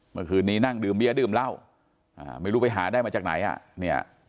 เมื่อคืนนี้นั่งดื่มเบียร์ดื่มเหล้าอ่าไม่รู้ไปหาได้มาจากไหนอ่ะเนี่ย